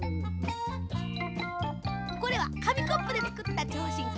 これはかみコップでつくったちょうしんき。